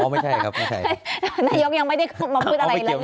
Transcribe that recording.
ไม่ใช่ครับไม่ใช่นายกยังไม่ได้มองขึ้นอะไรแหละเห็นไม่เกี่ยว